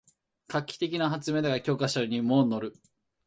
画期的な発明だから教科書にものる